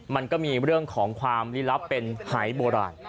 มันก็มีเรื่องของความลี้ลับเป็นหายโบราณ